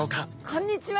こんにちは！